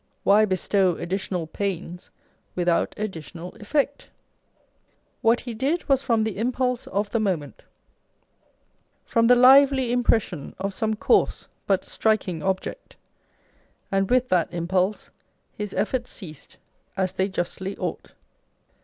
Why bestow additional pains without additional effect ? ^Vhat he did was from the impulse of the moment, from the lively impression of some coarse but striking object ; and with that impulse his efforts ceased, as they justly ought.